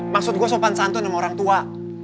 maksud gue sopan santun sama orang tua